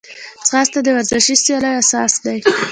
ځغاسته د ورزشي سیالیو اساس ده